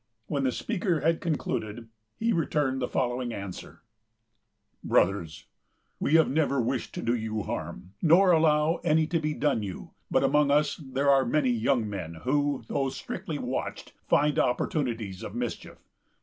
When the speaker had concluded, he returned the following answer:—— "Brothers: "We have never wished to do you harm, nor allow any to be done you; but among us there are many young men who, though strictly watched, find opportunities of mischief.